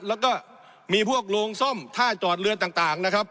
แล้วก็มีพวกโรงซ่อมท่าจอดเรือต่างนะครับ